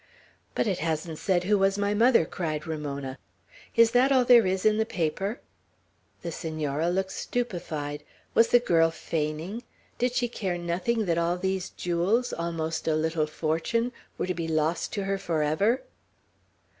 "But it hasn't said who was my mother," cried Ramona. "Is that all there is in the paper?" The Senora looked stupefied. Was the girl feigning? Did she care nothing that all these jewels, almost a little fortune, were to be lost to her forever?